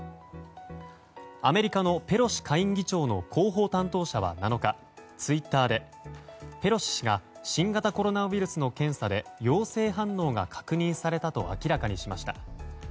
アメリカのペロシ下院議長の広報担当者は７日ツイッターでペロシ氏が新型コロナウイルスの検査で陽性反応が確認されたと明らかにしました。